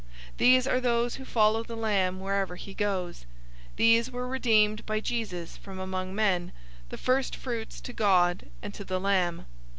These are those who follow the Lamb wherever he goes. These were redeemed by Jesus from among men, the first fruits to God and to the Lamb.